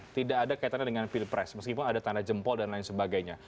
tidak ada kaitannya dengan pilpres meskipun ada tanda jempol dan lain sebagainya